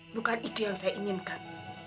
bukan itu yang saya inginkan